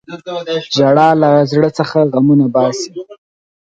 • ژړا له زړه څخه غمونه باسي.